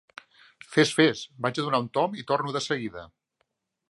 Fes, fes. Vaig a donar un tomb i torno de seguida.